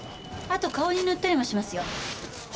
あと顔に塗ったりもしますよ。